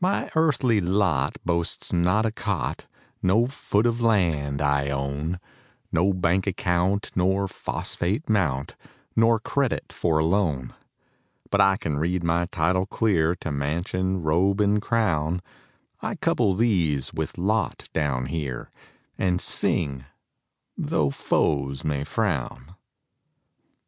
My earthly lot boasts not a cot, No foot of land I own, No bank account nor phosphate mount, Nor credit for a loan; But I can read my title clear To mansion, robe, and crown; I couple these with lot down here, And sing, tho' foes may frown.